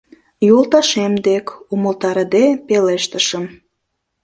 — Йолташем дек, — умылтарыде пелештышым.